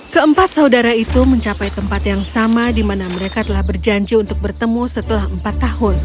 keempat saudara itu mencapai tempat yang sama di mana mereka telah berjanji untuk bertemu setelah empat tahun